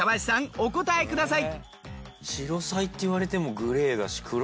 お答えください。